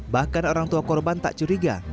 bahkan orang tua korban tak curiga